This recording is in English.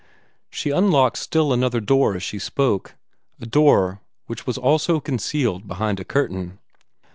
She unlocked still another door as she spoke a door which was also concealed behind a curtain.